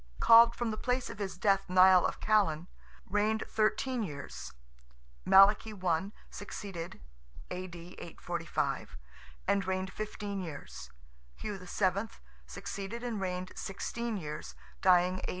(called from the place of his death Nial of Callan), reigned thirteen years; Malachy I. succeeded (A.D. 845), and reigned fifteen years; Hugh VII. succeeded and reigned sixteen years (dying A.